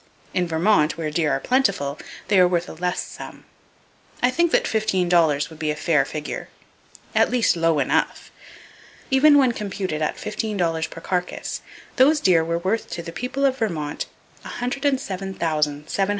In Vermont, where deer are plentiful, they are worth a less sum. I think that fifteen dollars would be a fair figure,—at least low enough! Even when computed at fifteen dollars per carcass, those deer were worth to the people of Vermont $107,790.